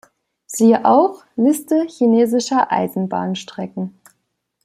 Siehe auch: Liste chinesischer Eisenbahnstrecken